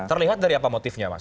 terlihat dari apa motifnya mas